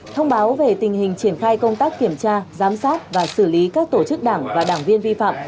thông báo về tình hình triển khai công tác kiểm tra giám sát và xử lý các tổ chức đảng và đảng viên vi phạm